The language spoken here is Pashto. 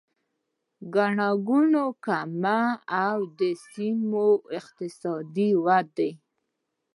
ګڼه ګوڼه کمه او د سیمو اقتصادي ودې